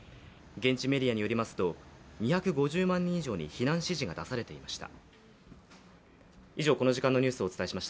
現地メディアによりますと、２５０万人以上に避難指示が出されていました。